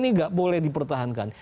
tidak boleh dipertahankan